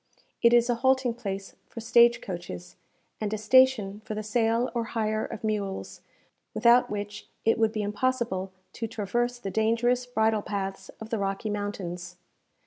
It is a halting place for stage coaches, and a station for the sale or hire of mules, without which it would be impossible to traverse the dangerous bridle paths of the Rocky Mountains.